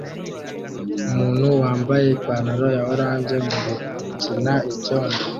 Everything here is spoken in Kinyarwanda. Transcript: Umuntu wambaye ipantaro ya orange mugukina icyondo